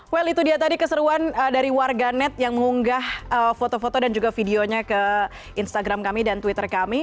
well itu dia tadi keseruan dari warganet yang mengunggah foto foto dan juga videonya ke instagram kami dan twitter kami